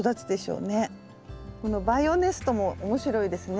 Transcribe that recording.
このバイオネストも面白いですね。